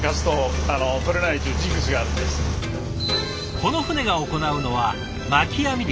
この船が行うのは巻き網漁。